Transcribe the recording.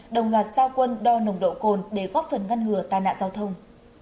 đồng loạt giao quân đo nồng độ cồn để góp phần ngăn ngừa tai nạn giao thông